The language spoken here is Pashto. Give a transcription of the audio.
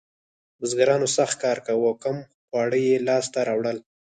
بزګرانو سخت کار کاوه او کم خواړه یې لاسته راوړل.